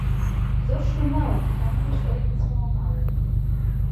زۆر شتم ماوە بیکەم پێش ئەوەی بچمەوە ماڵێ.